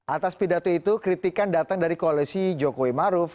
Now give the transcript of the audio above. atas pidato itu kritikan datang dari koalisi jokowi maruf